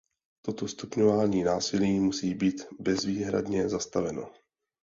Toto stupňování násilí musí být bezvýhradně zastaveno.